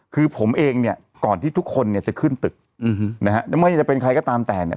คือผมเองเนี่ยก่อนที่ทุกคนเนี่ยจะขึ้นตึกนะฮะไม่ว่าจะเป็นใครก็ตามแต่เนี่ย